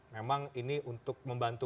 memang ini untuk membantu